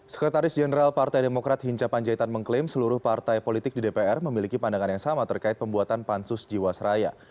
sekretaris jenderal partai demokrat hinca panjaitan mengklaim seluruh partai politik di dpr memiliki pandangan yang sama terkait pembuatan pansus jiwasraya